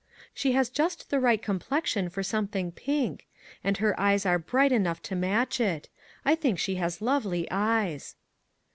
" She has just the right complexion for something pink; and her eyes 144 DISCOVERIES are bright enough to match it. I think she has lovely eyes."